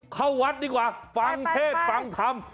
เข้าวัดดีกว่าฟังเทศฟังธรรม